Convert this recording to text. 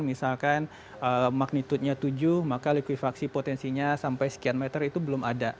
misalkan magnitudenya tujuh maka likuifaksi potensinya sampai sekian meter itu belum ada